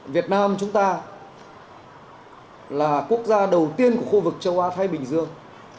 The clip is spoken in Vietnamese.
việt nam chúng ta là quốc gia đầu tiên của khu vực châu á thái bình dương